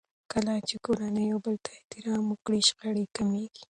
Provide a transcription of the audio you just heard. کله چې کورنۍ يو بل ته احترام وکړي، شخړې کمېږي.